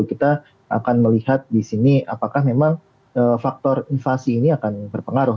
kita akan melihat di sini apakah memang faktor invasi ini akan berpengaruh